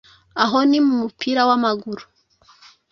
aho ni mu mupira w’amaguru